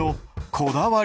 こだわり？